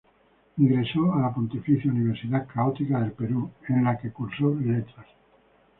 Ingresó a la Pontificia Universidad Católica de Perú, en la que cursó Letras.